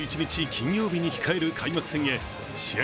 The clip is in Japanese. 金曜日に控える開幕戦へ、試合